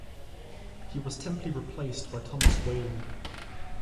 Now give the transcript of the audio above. He was temporarily replaced by Thomas Walling.